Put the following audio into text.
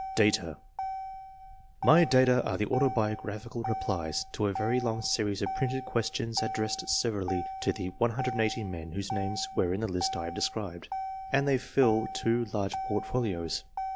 DATA. My data are the autobiographical replies to a very long series of printed questions ad dressed severally to the 180 men whose names were in the list I have described, and they fill two large portfolios.